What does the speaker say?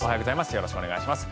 よろしくお願いします。